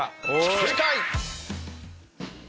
正解。